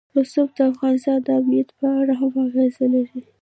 رسوب د افغانستان د امنیت په اړه هم اغېز لري.